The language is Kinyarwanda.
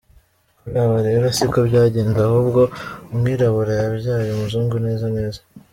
Kuri aba rero siko byagenze ahubwo umwirabura yabyaye umuzungu neza neza.